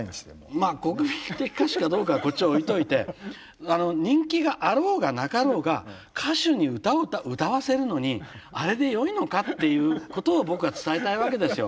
まあ国民的歌手かどうかはこっち置いといて人気があろうがなかろうが歌手に歌を歌わせるのにあれでよいのかっていうことを僕は伝えたいわけですよ。